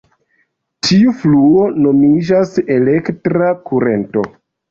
Tiu fluo nomiĝas "elektra kurento".